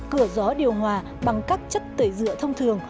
cửa gió điều hòa bằng các chất tẩy dựa thông thường